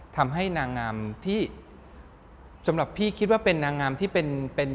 ทำให้นางงามที่สำหรับพี่คิดว่าเป็นนางงามที่เป็นเป็น